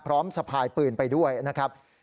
สะพายปืนไปด้วยนะครับ